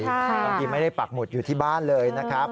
บางทีไม่ได้ปักหมุดอยู่ที่บ้านเลยนะครับ